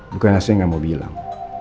bukan aja gak mau bilang